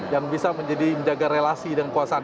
yang bisa menjadi menjaga relasi dan kekuasaan